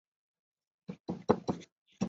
每一位下议院议员代表着全国不同选区。